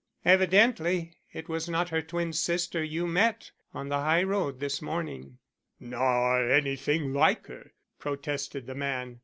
Evidently it was not her twin sister you met on the high road this morning." "Nor anything like her," protested the man.